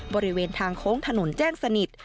บริเวณทางโค้งถนนแจ้งสนิท